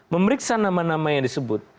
memeriksa nama nama yang disebut